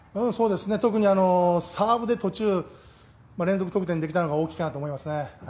特にサーブで途中、連続得点できたのが大きいと思いますね。